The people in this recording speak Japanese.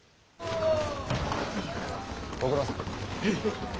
ご苦労さん。